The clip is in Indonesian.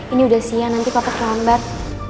ini udah siang nanti papa terlambat